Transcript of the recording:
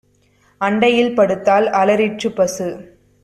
அண்டையில் படுத்தாள். அலறிற்றுப் பசு;